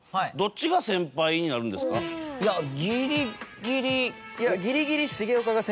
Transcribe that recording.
いやギリギリ。